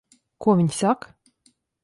Ko viņi saka?